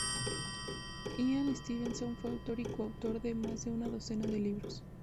Ian Stevenson fue autor o coautor de más de una docena de libros.